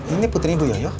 ini putri bu yoyo